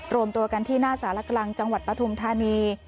รวมตัวกันที่หน้าสารกลางจังหวัดปฐุมธานี